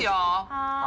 はい。